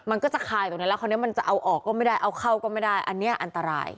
มันก็จะคายตรงนั้นแล้วคราวนี้มันจะเอาออกก็ไม่ได้เอาเข้าก็ไม่ได้อันนี้อันตราย